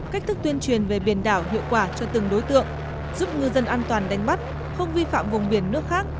cách thức tuyên truyền về biển đảo hiệu quả cho từng đối tượng giúp ngư dân an toàn đánh bắt không vi phạm vùng biển nước khác